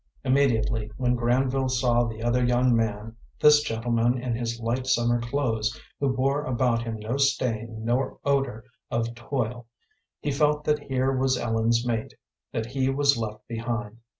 Immediately, when Granville saw the other young man, this gentleman in his light summer clothes, who bore about him no stain nor odor of toil, he felt that here was Ellen's mate; that he was left behind.